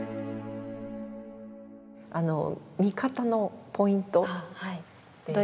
あの見方のポイントって？